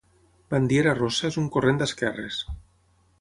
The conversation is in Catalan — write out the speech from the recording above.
Bandiera Rossa és un corrent d'esquerres.